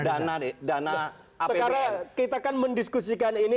sekarang kita akan mendiskusikan ini